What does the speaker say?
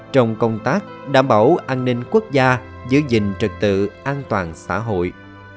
trong công tác đảm bảo an ninh quốc gia giữ gìn trực tự an toàn xã hội